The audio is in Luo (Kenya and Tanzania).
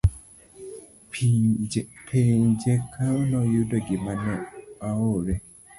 Penje ka noyudo gima ne ahorone